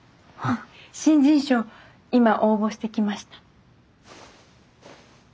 新人賞今応募してきました。